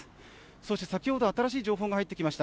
そして先ほど新しい情報が入ってきました。